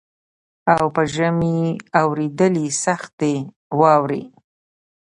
او په ژمي اورېدلې سختي واوري